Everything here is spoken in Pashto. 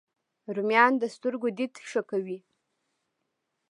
رومیان د سترګو دید ښه کوي